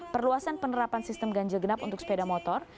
perluasan penerapan sistem ganjil genap untuk sepeda motor